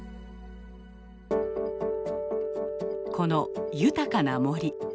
この豊かな森。